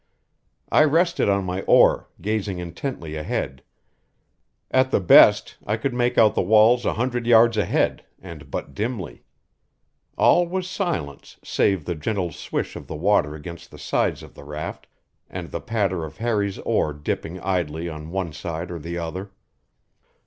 I rested on my oar, gazing intently ahead; at the best I could make out the walls a hundred yards ahead, and but dimly. All was silence, save the gentle swish of the water against the sides of the raft and the patter of Harry's oar dipping idly on one side or the other.